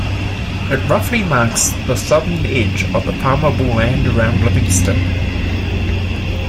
It roughly marks the southern edge of the farmable land around Livingston.